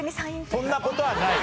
そんな事はない。